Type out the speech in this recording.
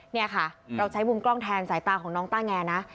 นี่ค่ะเราใช้มุมกล้องแทนสายตาของน้องต้าแงนะ